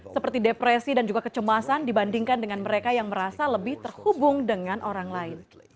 seperti depresi dan juga kecemasan dibandingkan dengan mereka yang merasa lebih terhubung dengan orang lain